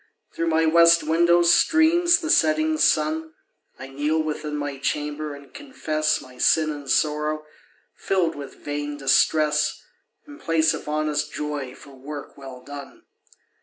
Through my west window streams the setting sun. I kneel within my chamber, and confess My sin and sorrow, filled with vain distress, In place of honest joy for work well done.